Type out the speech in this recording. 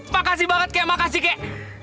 makasih banget kek makasih ke